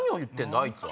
あいつは！